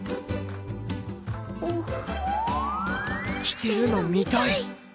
着てるの見たい！